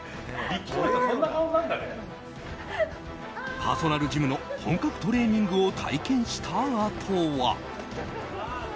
パーソナルジムの本格トレーニングを体験したあとは。